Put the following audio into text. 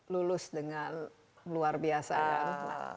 lulus dengan luar biasa kan